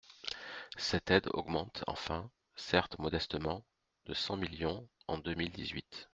Cette aide augmente enfin, certes modestement, de cent millions, en deux mille dix-huit.